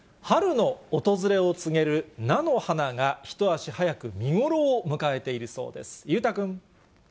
春の訪れを告げる、菜の花が一足早く見頃を迎えているそうです。